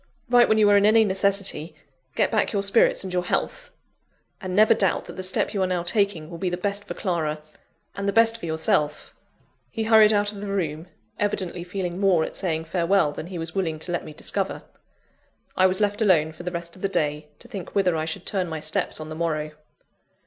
Write when you are in any necessity get back your spirits and your health and never doubt that the step you are now taking will be the best for Clara, and the best for yourself!" He hurried out of the room, evidently feeling more at saying farewell than he was willing to let me discover. I was left alone for the rest of the day, to think whither I should turn my steps on the morrow.